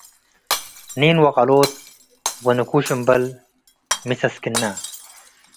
ኒን ወቀሎት ወንኩሽ እምበል ምሰስክነ